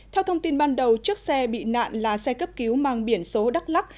theo thông tin ban đầu chiếc xe bị nạn là xe cấp cứu mang biển số đắk lắc